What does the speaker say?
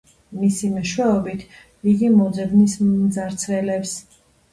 მისი მეშვეობით იგი მოძებნის მძარცველებს.